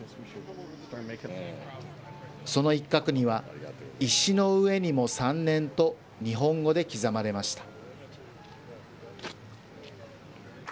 その一角には、石の上にも三年と日本語で刻まれました。